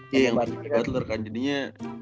iya yang tadi jimmy butler kan jadinya